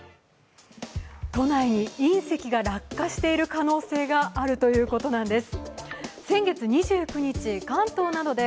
都内に隕石が落下している可能性があるということなんです。